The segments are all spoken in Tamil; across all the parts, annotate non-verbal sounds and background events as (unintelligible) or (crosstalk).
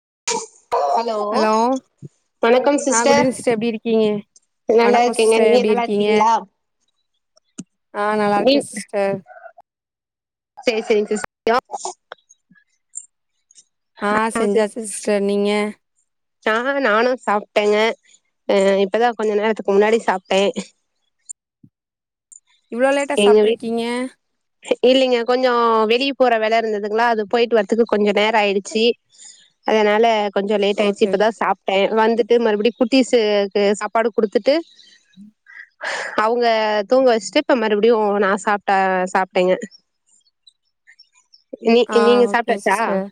(inaudible) ஹலோ வணக்கம் அ குட் சிஸ்டர் ஈனிங் சிஸ்ஸர் எப்டி இருக்கீங்க நல்லா வணக்கோ இருக்கீங்க சிஸ்டர் நீங்க எப்டி நல்லா இருக்கீங்க இருக்கீங்களா அ நல்லா இருக்கே சிஸ்டர் செரி செரிங் சிஸ் (inaudible) அ செஞ்சா சிஸ்டர் நீங்க அ நானு சாப்ட்டேங்க அ இப்பதா கொஞ்ச நேரத்துக்கு முன்னாடி சாப்ட்டே (inaudible) இவ்ளோ லேட்டா சாப்ட்ருக்கீங்க இல்லிங்க கொஞ்சோ வெளிய போற வேல இருந்துதுங்ளா அது போய்ட்டு வர்துக்கு கொஞ்சு நேரோ ஆயிடுச்சி அதனால கொஞ்சோ லேட் ஆய்ட்சி ஓகே இப்பதா ஓகே சாப்ட்டே வந்துட்டு மறுபடி குட்டிஸு க்கு சாப்பாடு குடுத்துட்டு அவுங்க தூங்க வெஷ்ட்டு இப்ப மறுபடியு நா சாப்ட்டா சாப் டேங்க நீ ஆ நீங்க ஓகே சாப்ட்டாச்சா சிஸ்டர்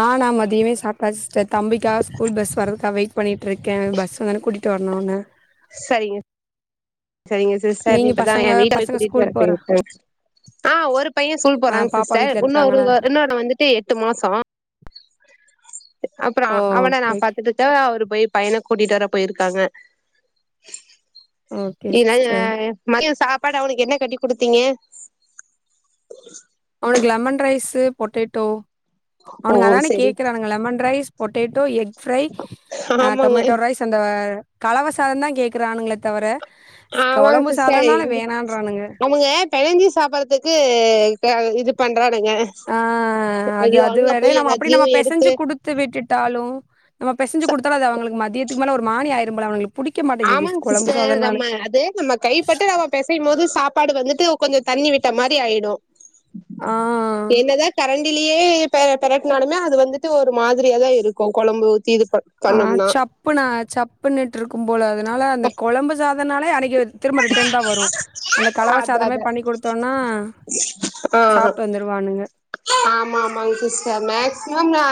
ஆ நா மதியமே சாப்ட்டாச்சு சிஸ்டர் தம்பிக்காக ஸ்கூல் பஸ் வர்றதுக்கா வெயிட் பண்ணிட்டு இருக்கே பஸ் வந்தோன கூட்டிட்டு வற்னுனு சரிங்க சரிங்க சிஸ்டர் நீங்க இப்பதா பசங்க ஏ வீட்டுல பசங்க கூட்டிட்டு போய் ஸ்கூல் போற வரபோயிருக்காரு ஆ ஒரு பைய ஸ்கூல் ஆ போறாங்க பாப்பா சிஸ்டர் வீட்ல இருக்காங்களா இன்னொருவர் இன்னொருவ வந்துட்டு எட்டு மாசோ அப்பறோ ஓ அவன நா ஓகே ஓகே பாத்துகிட்டா அவரு போய் பையன கூட்டிட்டு வர போயிருக்காங்க ஓகே இ சிஸ்டர் மதிய சாப் சாப்பாடு அவனுக்கு என்ன கட்டி குடுத்தீங்க அவனுக்கு லெமன் ரைஸ் பொட்டேட்டோ ஓ அவனுங்க அதானே சரி கேக்குறானுங்க lemon rice potato egg fry ஆமாங்க டொமேட்டோ ரைஸ் அந்த கலவசாதந்தா கேக்குறானுங்களே தவர ஆமாங்க சிஸ்டர் எந்திச் வேணான்றானுங்க அவங்க பெழஞ்சி சாப்பறதுக்கு இது பண்றானுங்க ஆ அது ஐயோ அது அங்க வே போய் நம்ம அப்படி எல்லாத்தையு நம்ம எடுத்து பெசஞ்சு குடுத்து விட்டுட்டாலு நம்ம பெசஞ்சு ச கொடுத்தாலு அது அவங்களுக்கு மதியதுக்கு மேல ஒரு மாரியா ஆமாங்க சிஸ்டர் நம்ம அது நம்ம கைப்பட்டு ரம்ம பெசையும் போது சாப்பாடு வந்துட்டு கொஞ்ச தண்ணி விட்ட மாரி ஆயிடு ஆ என்னதா கரண்ட் இலயே பெரட்னாலுமே அது வந்துட்டு ஒரு மாதிரியா தா இருக்கு கொழம்பு இது ப ஆ பண்ணோம்னா சப்புனா சப்புன்னுட்டு இருக்கும் போல அதனால அந்த கொழம்பு சாதனாலே அடக்கி திரும்ப ரிட்டர்ன் தா வரு அந்த அத அத கலவசாதமே பண்ணி கொடுத்தோம்னா ஆ சாப்ட்டு வந்துருவானுங்க ஆமா ஆமாங்க சிஸ்டர் மேக்சிமம் நா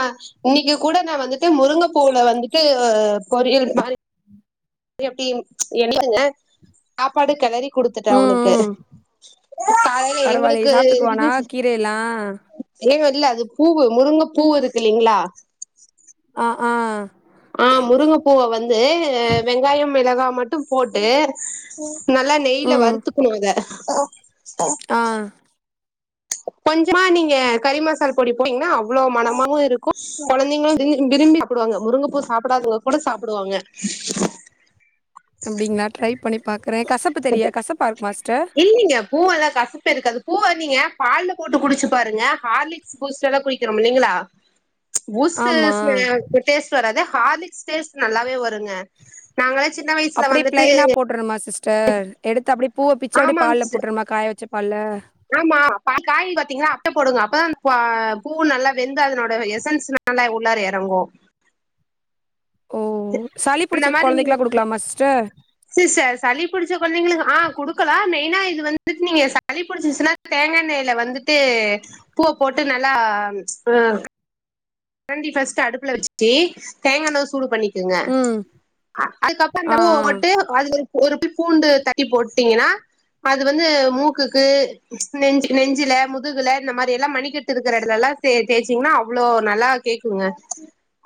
இன்னைக்கு கூட நா வந்துட்டு முருங்கைப்பூல வந்துட்டு பொரியல் மாரி எப்டி என்னக்குங்க சாப்பாடு கெளரி குடுத்துட்டே ம் அவனுக்கு ம் காலைல பரவாயில்லையே எங்களுக்கு சாப்ட்டுக்குவானா இது கீரையெல்லா இல்ல அது பூவு முருங்க பூவு இருக்கு இல்லீங்களா ஆ ஆ ஆஹ் முருங்கப்பூவ வந்து வெங்காயம் மிளகா மட்டும் போட்டு நல்லா நெய்ல ம் வருத்துக்கணு அத ஆ கொஞ்சமா நீங்க கறி மசால் பொடி போட்டீங்கன்னா அவ்ளோ மனமாவு இருக்கு கொழந்தைங்களு விம்பி விரும்பி சாப்டுவாங்க முருங்கைப்பூ சாப்டாதவங்க கூட சாப்டுவாங்க அப்படிங்ளா ட்ரை பண்ணி பாக் இல்லைங்க பூவல்லா கசப்பே இருக்காது பூவ நீங்க பால்ல போட்டு குடிச்சி பாருங்க ஹார்லிக்ஸ் பூஸ்ட் எல்லா குடிக்கிறோம் இல்லைங்களா பூஸ்ஸ் ஆமா ஸ்மெ டேஸ்ட் வராது ஹார்லிக்ஸ் டேஸ்ட் நல்லாவே வருங்க நாங்களே சின்ன வயசுல அப்படி வந்துட்டு பிளைனா போட்டுறமா சிஸ்டர் எடுத்து அப்படி பூவ பிச்சு அப்படி ஆமாங்க பால் சிஸ்டர் போட்டுருமா காய வச்ச பால்ல ஆமா காய பாத்தீங்கா அப்ப போடுங்க அப்பதா பூ நல்லா வெந்து அதனோட எசன்ஸ் நல்லா உள்ளார எறங்கு ஓ சளி அந்த புடிச்சிருக் மாரி நீ கொழந்தைக்கலா குடுக்கலாமா சிஸ்டர் சிஸ்டர் சளி புடிச்ச கொழந்தைங்களுக்கு ஆ குடுக்கலா மெயினா இது வந்துட்டு நீங்க சளி புடிச்சிசுனா தேங்கா எண் ன்னேல வந்துட்டு பூவ போட்டு நல்லா அ கண்டி பஸ்ட் அடுப்புல வச்சுட்டு தேங்காயெண்ணய சூடு பண்ணி ங்க ம் அ அதுக்கப்புற இந்த ஆ ஆ பூவை போட்டு அது ஒரு பி பூண்டு தட்டி போட்டீங்கனா அது வந்து மூக்குக்கு நெஞ்சு நெஞ்சுல முதுகுல இந்த மாரிலா மணிக்கட்டு இருக்கிற இடதுல லா தே தேச்சீங்னா அவ்ளோ நல்லா கேக்குங்க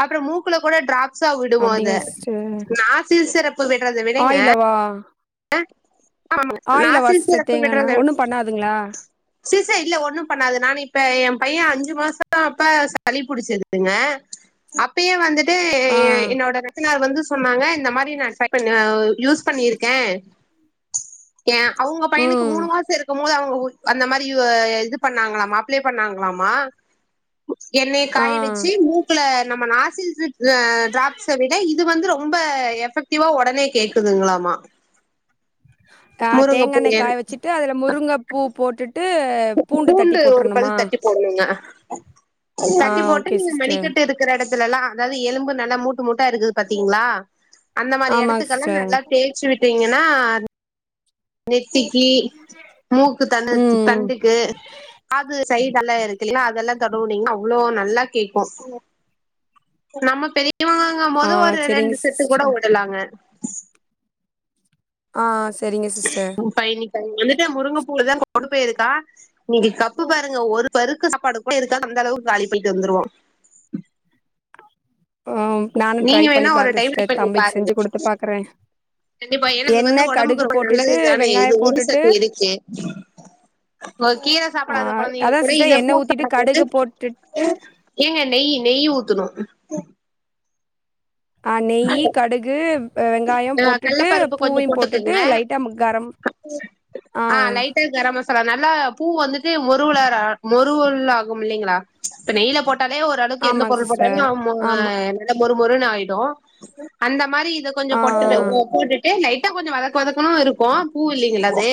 அப்புறம் மூக்குல கூட ட்ராப்ல சா விடுவோ அத அப்டிங்களா சிஸ்டர் நா சிறப்பு விடுறத விடேங்க ஆயிலவா ஆமா ஆயிலவா சிஸ்டர் தேங்காண்ண ஒண்ணு பண்ணாதுங்களா (inaudible) ச்ச இல்ல ஒன்னு பண்ணாது நானு இப்ப ஏ பையன் அஞ்சு மாச அப்ப சளி புடிச்சுருதுங்க அப்பயே வந்துட்டு ஆ ஏ என்னோட (unintelligible) வந்து சு சொன்னாங்க இந்த மாரி நா (unintelligible) பண்ண யூஸ் பண்ணிருக்கே ஏ அவுங்க பையனுக்கு ம் மூணு மாசோ இருக்கும் போது அவுங் ஆ ஒ அந்த மாரி இ இது பண்ணாங்களாம் அப்ளை பண்ணாங்களாம்மா எண்ணெய ஆ காய வச்சு மூக்குல நம்ம நாசில்ப்ஸ் ட்ராப்ஸ்ச விட இது வந்து ரொம்ப எஃபெக்டிவா ஒடனே கேக்குதுங்களாமா ஆ முருங்கை தேங்கா பூ எண்ணெய காய எண்ணெய். வச்சுட்டு அதுல முருங்கப் பூ போட்டுட்டு அ பூண்டு தட்டி ஒரு போட்றணுமா பல் தட்டி போடணுங்க ஆ தட்டி போட்டு ஓகே நீங்க சிஸ்டர் மணிக்கட்டு இருக்குற எடத்துலெல்லா அதாவது எலும்பு நல்லா மூட்டு மூட்டா இருக்குது பாத்தீங்களா அந்த மாதிரி ஆமாங்க எடத்துக்கெல்லா சிஸ்டர் நல்லா தேச்சு விட்டு ங்கன்னா (unintelligible) திக்கி மூக்கு தண் ம் தண்டுக்கு அது சைடெல்லா இருக்கு அதெல்லா தொடவு நீங்கன்னா அவ்ளோ நல்லா கேக்கு நம்ம பெரிய இவங்கங்க ஆ போது ஒரு செரிங்க ரெண்டு செட்டு கூட சிஸ்டர் ஒட்டலாங்க ஆ ஆ உ பயணி வந்துட்டு முருங்கைப்பூலதா கொண்டு போயிருக்கா இன்னக்கி கப்பு பாருங்க ஒரு பருக்கு சாப்பாடு கூட இருக்காதம் அந்த அளவுக்கு காலிப்பன்டு வந்துருவோ ம் நானு ட்ரை நீங்க வேணா பண்ணி ஒரு பாத்தே டைம் ட்ரை சிஸ்டர் பண்ணி தம்பிக்கு பாருங்க செஞ்சு குடுத்து பாக்குறே கண்டிப்பா எனக்கு வந்து எண்ணெ ஒடம்புக்கு கடுகு ரொம்ப போட்டுட்டு நல்லதுதானே இது வெங்காயோ நீர் போட்டுட்டு சத்து இருக்கே ஓ கீர ஆ சாப்புடாத கொழந்தைங்க அதா கூட சிஸ்டர் இந்த பூ எண்ணெ ஊத்திட்டு சாப்ட குடுத்து கடுகு போட்டுட்டு ஏங்க நெய் நெய் நெய் ஊத்துணு ஆ நெய்யி கடுகு வெங்காயம் அஹ் போட்டுட்டு கடலப்பருப்பு கொஞ்சம் பூவையு போட்டுட்டு போட்டுக்கோங்க லைட்டா முக்காரம் ஆ ஆ சார நல்லா பூ வந்துட்டு மொறுவொல மொறுவல் ஆகும் இல்லைங்களா இப்ப நெய்ல போட் டாலே ஓ அளவுக்கு எந்த ஆமாங்க பொருள் சிஸ்டர் போட்டாலும் ம் ஆமா நல்லா மொறு மொறுனு ஆயிடு அந்த மாரி இத கொஞ்சோ ஆ போட்டுட்டு போட்டுட்டு லைட்டா கொஞ்சொ வதக்க வதக்கணு இருக்கூ பூ இல்லெங்களா அது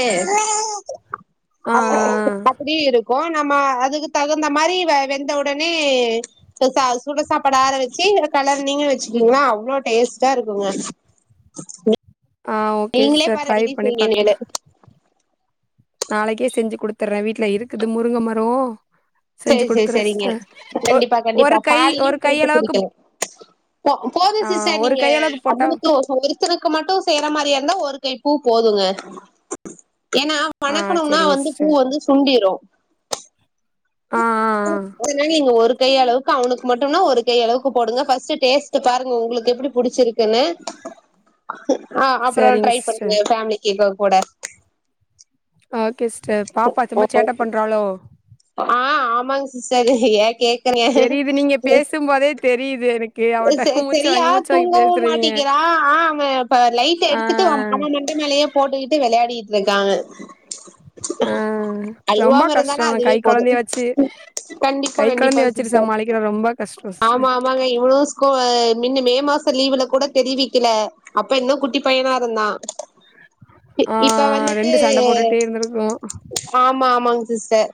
ஆ ஆ ஆ அப்புட்டி அப்புடி இருக்கூ நம்ம அதுக்கு தகுந்த மாரி வெந்த உடனே சுச சுட சாப்பாடு ஆர வச்சி கலர் நீங்களு வச்சுக்குவீங்களா அவ்ளோ டேஸ்டா இருக்குங்க ஆ ஆ ஓகே நீங்களே சிஸ்டர் பாரு ட்ரை அடிக்கடி பண்ணி செய்வீங்க பாக்கலா இனிமேலு நாளைக்கே செஞ்சு குடுத்துர்றே வீட்ல இருக்குது முருங்க மரோ செஞ்சு செரி செரி குடுத்துறே செரிங்க சிஸ்டர் ஒ கண்டிப்பா கண்டிப்பா ஒரு கை பால்லையு ஒரு போட்டு கையளவுக்கு குடிக்கணு போ போது ஆ சிச ஒரு நீங்க கையளவுக்கு போட்டா அவனுக்கு ஒருத்தனுக்கு மட்டு செய்யுற மாரியா இருந்தா ஒருத் கை பூ போதுங்க ஏன்னா ஆ வணக்கணும்னா செரிங்க வந்து பூ சிஸ்டர் வந்து சுண்டிரு ஆ ஆ ஆ அதனா நீங்க ஒருக் ஒரு கை அளவுக்கு அவனுக்கு மட்டும்னா ஒரு கை அளவுக்கு போடுங்க ஃபஸ்ட்டு டேஸ்ட் பாருங்க உங்களுக்கு எப்டி புடிச்சுருக்குன்னு ஆ அப்பறோ செரிங்க ட்ரை சிஸ்டர் பண்ணுங்க ஃபேமிலி கேக்கா கூட ஓகே சிஸ்டர் பாப்பா ஓ தும்ப சேட்ட பண்றாளோ ஆ ஆமாங்க சிஸ்டர் ஏ கேக் தெரியுது நீங்க பேசும்போதே தெரியுது எனக்கு அவட்ட அ மூச்சு செரியா வாங்கி மூச்சு வாங்கி தூங்கவு பேசுறீங்க மாட்டிக்கிறா ஆ அவெ இப்ப லைட் ஆ எடுத்துட்டு அவன் மண்டு த்து மேலையே போட்டுக்கிட்டு வெளையாடிகிட்ருக்காங்க ஆ ரொம்ப கஷ்டோ அந்த கை அதுவே போது கொழந்தைய வச்சு கண்டிப்பா கை கண்டிப்பா கொலந்தய வச்சுட்டு சிஸ்டர் சாமாலிக்கிறது ரொம்ப கஷ்டோ சிஸ்டர் கோ மின்ன மே மாசோ லீவுல கூட தெரிவிக்கல அப்ப இன்னு குட்டி பையனா இருந்தா இப்ப ஆ வந்துட்டு ரெண்டு சண்ட போட்டுட்டே இருந்திருக்கு ஆமா ஆமாங்க சிஸ்டர்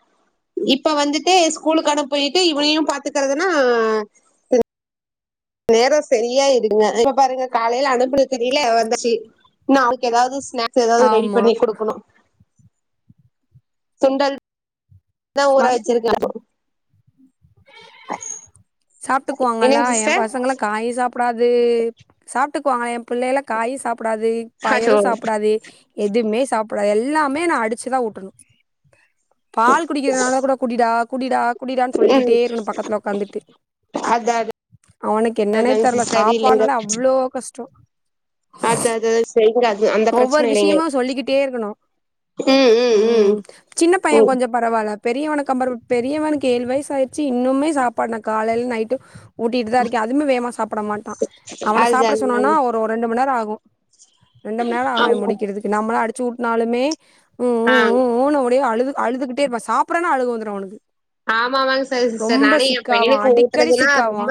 இப்ப வந்துட்டு ஸ்கூலுக்கு அனு போயிட்டு இவனையு பாத்துக்கறதுனா நேர சரியா இருக்குங்க இப்ப பாருங்க காலையில அனுப்றதுக்குள்ள வந்துச்சு ன்னு அதுக்கெதாவதுஸ் ஸ்நாக்ஸ் எதாவது ரெடி ஆமா பண்ணி குடுக்கணு சுண்டல் தா ஊற வந் வச்சிருக்கே அச் சாப்ட்டுக்குவாங்கலா ஏபசங்களா காயே சாப்டாது சாப் சாப்ட்டுக்குவாங்களா ஏ பிள்ளைலா காயு சாப்டாது அச்சோ பயறு சாப்டாது எதுமே சாப்டாது எல்லாமே நா அடிச்சுதா ஊட்டணு பால் குடிக்கிறதுனால கூட குடிடா குடிடா குடிடான்னு சொல்லிக்கிட்டே ம் இருக்கணு பக்கத்துல உக்காந்துக்கிட்டு அதா அதா அவனுக்கு என்னன்னே அதாங்க தெர்ல சிஸ்டர் இல்லைங்க சாப்பாட்னாலே அவ்ளோ கஷ்ட அது அது சரிங்க அது அந்த ஒவ்வொரு பிரச்சன இல்லைங்க விஷயமு சொல்லிக்கிட்டே இருக்கணு ம் சின்னப் பைய ம் கொஞ்ச பரவால்ல பெரியவனு கம்பேர் பண் பெரியவனுக்கு ஏழ் வயசு ஆய்டுச்சு இன்னுமே சாப்பாடுனா காலையில நைட்டு ஊட்டிட்டு தா இருக்கே அதுமே வேகமா சாப்ட மாட்டா அவன அதுதா சாப்ட சொன்னோம்னா அதுதாங்க ஒரு ரெண்டு மண்நேர ஆகு ரெண்டு மண்நேர ஆகு அவ ஆமா முடிக்கிறதுக்கு நம்ம அடிச்சு ஊட்டுனாலுமே ம் ஆ ம் ம் ம் னு அப்டியே அழுது அழுதுகிட்டேருப்பா சாப்பிறானா அழுக வந்துரு அவனுக்கு ஆமாமாங்க சார் சிஸ்டர் ரொம்ப நானே எஏ சிக்காவா பையனுக்கு அடிக்கடி ஊட்டுறதுன்னா சிக்காவா ரொம்ப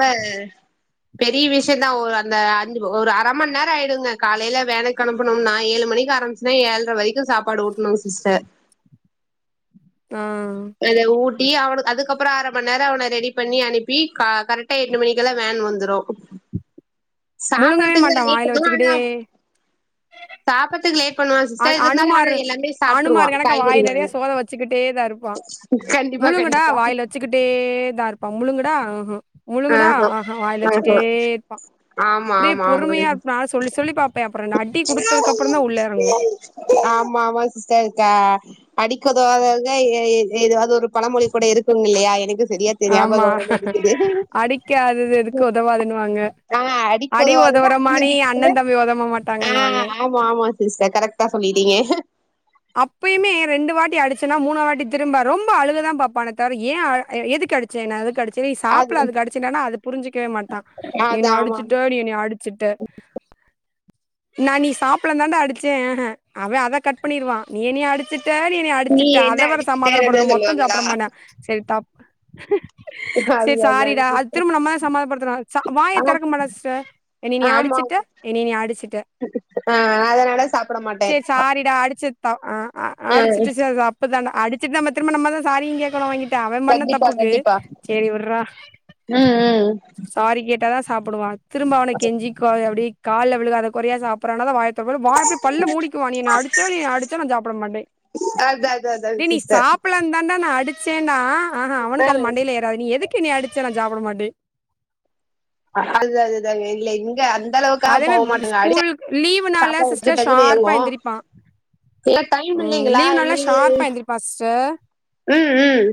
பெரிய விஷயந்தா ஒரு அந்த அஞ் ஒரு அர மண் நேர ஆயிடுங்க காலையில வேலைக்கு கெளம்புனும்னா ஏழு மணி க்கு ஆரம்பிச்சுனா ஏழ்ற வரைக்கு சாப்பாடு ஊட்டணு சிஸ்டர் ஆ ட்டி அவனுக்கு அதுக்கப்புற அர மண்நேர அவன ரெடி பண்ணி அனுப்பி க கரெக்ட்டா எட்டு மணிக்குலா வேன் வந்துரு முழுங்கவே சாப்பறது மாட்டா எயிட்டுக்குலா ஆனா சாப்பறதுக்கு லேட் பண்ணுவா அனு சிஸ்டர் இருந்தாலு ஆனா அனுமார் எல்லாமே சாப்ட்டுருவா அனுமார்ரு கணக்கா வாய் நெறைய காய்கறிகளெல்லா சோற வச்சுக்கிட்டே தா இருப்பா கண்டிப்பா முழுங்குடா கண்டிப்பா வாயில வச்சுக்கிட்டேதா இருப் ப்பா முழுங்குடா ஆஹா முழுங்குடா ஆஹா வாயில ஆஹா வச்சிட்டேருப்பா ஆமா அப்டியே ஆமா ஆமாங்க பொறுமையா இருப்பே நா சொல்லி சொல்லி பாப்பே ஆமா ஆமா சிஸ்டர் கா அடி பொதுவாகக எ ஏ எது அது ஒரு பழமொழி கூட இருக்குங்கல்லையா எனக்கு சரியா ஆமா ஞாபகம் வர மாட்டேங்குது அடிக்காதது எதுக்கு ஒதவாதுன்னுவாங்க ஆ அடிக்கு அடி உதவாதது உதவுற மானி அனுமதிக்கு அண்ண கூட தம்பி ஒதவ மாட் ஆ ஆமா ஆமா சிஸ்டர் கரெக்ட்டா சொல்லிட்டீங்க அப்பயுமே ரெண்டு வாட்டி அடிச்சனா மூணா வாட்டி திரும்ப ரொம்ப அழுகுதா பாப்பானே தவற ஏ அ எதுக்கு எதுக்கடிச்சே நா எதுக்கடிச்சே ஏய் அது சாப்பல அதுக்கு அடிச்சேன்டானா அது புரிஞ்சிக்கவே மாட்டா அது என்ன ஆமா அடிச்சிட்ட நீ என்னைய அடிச் ச்சிட்ட நா நீ சாப்படலந்தாண்ட அடிச்சே அஹா அவ அத கட் ப் பண்ணிருவா என்னைய அடிச்சிட்ட நீ என்னைய அடிச்சட்ட என்ன அத வேற அடிச்சுட்டேனு சமாதானப்படுத்தனு மொத்த சொல்லுவாங்களா சாப்ட மாட்டா சேரி தப் சேரி சாரிடா அது திரும்ப நம்ம தா சமாதானப்படுத்தனு ச வாய ஆ தெறக்க மாட்டாரு சிஸ்ட நீ என்னய அடி ஆமா ச்சிட்ட என்னய நீ அடிச்சிட்ட ஆ அதனால சாப்ட மாட்டே சேரி த ஆ அ ம் அடிச்சிட்டு சேர் அப்ப தண்ட அடிச்சிட்டு நம்ம திரும்ப நம்ம தா சாரியு கேக்கணு அவன்கிட் ட்ட அவ பண்ண கண்டிப்பா தப்புக்கு கண்டிப்பா சேரி விர்றா ம் ம் சாரி கேட்ட தா சாப்டுவா திரும்ப அவன கெஞ்சி குழாவி அப்டியே கால்ல விழுகாத கொறையா சாப்புறானா‌தா வாயத் தவற வாய அப்டியே பல்ல மூடிக்குவா நீ என்ன அடிச்ச நீ அடிச்ச நா சாப்ட மாட்டே அது அது அதான் டே நீ சிஸ்டர் சாப்படலந்தாண்டா நா அடிச் சேன்னா ஆஹா அவனுக்கு அது ம் மண்டையில ஏறாது நீ எதுக்கு என்னய அடிச்ச நா சாப்ட மாட்டே அது அதுதாங்க இல்ல இங் ங்க அந்த அளவுக்கா அதே போக மாரி மாட்டேங்க அடிச்சா ஸ்கூல் லீவு நாள்ல சாப்பா (unintelligible) சிஸ்டர் ஷார்ப்பா எந்திரிப்பா ஏன்னா டைம் ம் இல்லைங்களா லீவ் நாள்ல இவல்கு ஷார்ப்பா எந்திரிப்பா சிஸ்டர் ம் ம்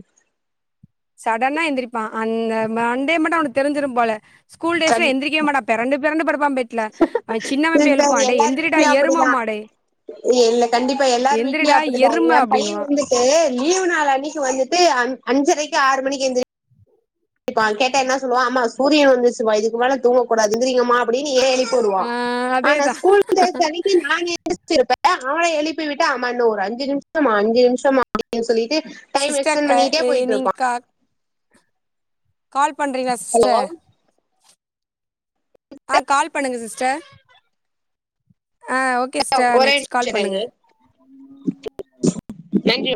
சடனா எந்திரிப்பா அந்த மண்டே மட்டு அவனுக்கு தெரிஞ்சிரு போல ஸ்கூல் கண் டேஸ்ல எந்திரிக்கவே மாட்டா பெறண்டு பெறண்டு படுப்பா பெட்ல அவ சின்னவ வந்து சிஸ்டர் எழுப்புவா டே எல்லார் எந்திரிடா வீட்லயு எரும அப்படிதா மாடே இல்ல கண்டிப்பா எல்லாரு வீட்லயு எந்திரிடா அப்பிடிதா எரும எ பைய அப்டின்னுவா வந்துட்டு லீவ் நாள் அன்னைக் கி வந்துட்டு அஞ்சரைக்கு ஆறு மணிக்கி எந்திரிப் பா கேட்டா என்ன சொல்லுவா அம்மா சூரியன் வந்துருச்சுமா இதுக்கு மேல தூங்கக்கூடாது எந்திரிங்கமா அப்டின்னு ஏ போடுவா ஆ ஆனா அதேதா ஸ்கூல் டேஸ் அன்னைக்கி நா எந்துருச்சுருப்பே அ அவ எழுப்பி விட்டா அம்மா இன்னு ஒரு அஞ்சு நிமிஷமா அஞ்சு நிமிஷமா அப்டின்னு சொல்லிட்டு டைம் சிஸ்டர் க எக்ஸ்டன்ட் பண்ணிட்டே நீங்க போயிட்ருப்பா கா கால் பண்றீங்களா ஹலோ சிஸ்டர் ஆ கால் பண்ணுங்க சிஸ்டர் ஆ ஓகே சிஸ்டர் ஒரே நெக்ஸ்ட் கால் பண்ணுங்க நிமிஷோ (unintelligible) தேங்க்யூ